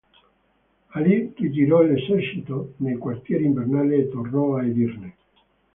Halil ritirò l'esercito nei quartieri invernali e tornò a Edirne.